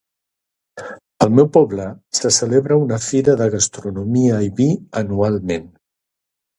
Al meu poble, se celebra una fira de gastronomia i vi anualment.